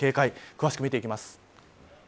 詳しく見ていきます。